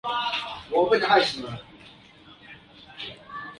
The group was originally named Round Table Poets.